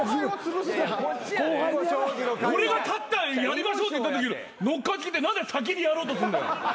俺が立ってやりましょうって言ったときに乗っかってきて何で先にやろうとすんだよ。